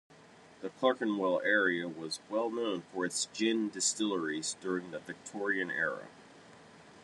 The Clerkenwell area was well known for its gin distilleries during the Victorian era.